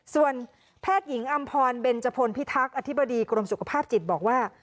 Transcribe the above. ส่วนแพทย์หญิงอำพรเบนจพลพิทักษ์อธิบดีกรมสุขภาพจิตบอกว่า